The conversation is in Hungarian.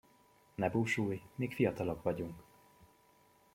Ne búsulj, még fiatalok vagyunk.